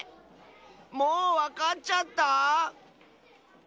もうわかっちゃった？